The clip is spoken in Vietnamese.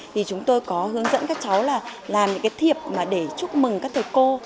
thì chúng tôi có hướng dẫn các cháu làm những thiệp để chúc mừng các thầy cô